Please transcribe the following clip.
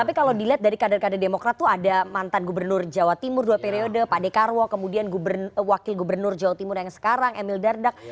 tapi kalau dilihat dari kader kader demokrat itu ada mantan gubernur jawa timur dua periode pak dekarwo kemudian wakil gubernur jawa timur yang sekarang emil dardak